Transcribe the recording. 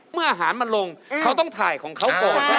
เมื่ออาหารมันลงเขาต้องถ่ายของเขาก่อน